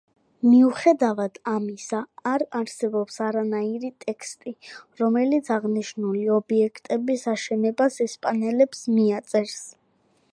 მიუხედავად ამისა, არ არსებობს არანაირი ტექსტი, რომელიც აღნიშნული ობიექტების აშენებას ესპანელებს მიაწერს.